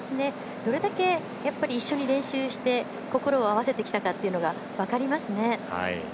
どれだけ練習して心を合わせてきたかっていうのが分かりますね。